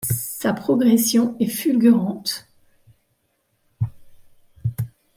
Sa progression est fulgurante.